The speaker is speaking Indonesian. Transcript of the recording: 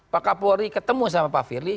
pak kapolri ketemu sama pak firly